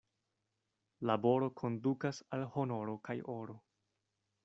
Laboro kondukas al honoro kaj oro.